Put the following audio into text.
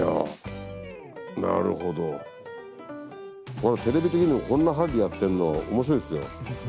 これテレビ的にもこんな針でやってんの面白いっすよ。